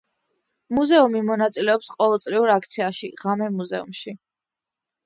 მუზეუმი მონაწილეობს ყოველწლიურ აქციაში „ღამე მუზეუმში“.